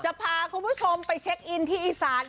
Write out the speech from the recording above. จะพาคุณผู้ชมไปเช็คอินที่อีสาน